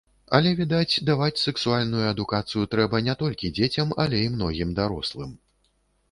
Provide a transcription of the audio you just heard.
Але відаць, даваць сэксуальную адукацыю трэба не толькі дзецям, але і многім дарослым.